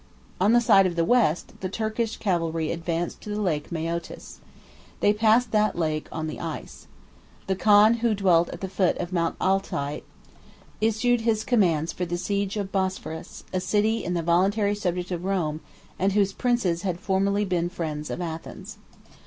On the side of the West, the Turkish cavalry advanced to the Lake Maeotis. They passed that lake on the ice. The khan who dwelt at the foot of Mount Altai issued his commands for the siege of Bosphorus, 28 a city the voluntary subject of Rome, and whose princes had formerly been the friends of Athens.